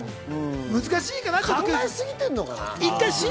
難しいかな？